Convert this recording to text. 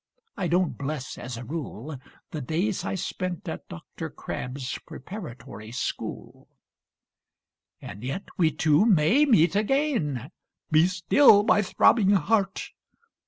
I don't bless, as a rule, The days I spent at "Dr. Crabb's Preparatory School." And yet we two may meet again, (Be still, my throbbing heart!)